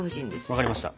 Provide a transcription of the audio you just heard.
分かりました。